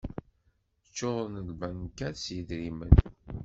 Ččuren lbankat s yidrimen.